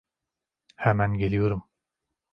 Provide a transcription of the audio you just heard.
Hemen geliyorum.